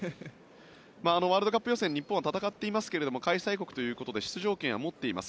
ワールドカップ予選日本は戦っていますが開催国ということで出場権は持っています。